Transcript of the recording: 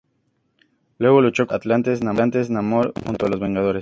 Luego luchó contra los atlantes y Namor junto a los Vengadores.